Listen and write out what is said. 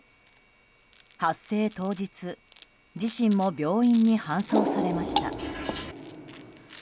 発生当日自身も病院に搬送されました。